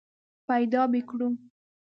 پیدا به یې کړو !